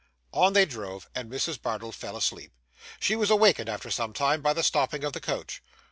On they drove, and Mrs. Bardell fell asleep. She was awakened, after some time, by the stopping of the coach.